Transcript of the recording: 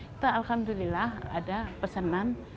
kita alhamdulillah ada pesanan